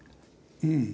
うん。